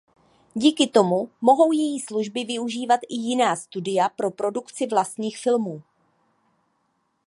Díky tomu mohou její služby využívat i jiná studia pro produkci vlastních filmů.